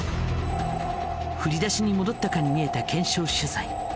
振り出しに戻ったかに見えた検証取材。